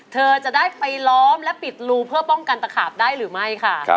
เธอจะได้ไปล้อมและปิดรูเพื่อป้องกันตะขาบได้หรือไม่ค่ะ